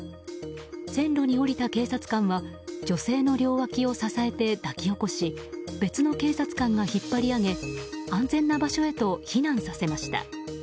線路に下りた警察官は女性の両脇を支えて抱き起こし別の警察官が引っ張り上げ安全な場所へと避難させました。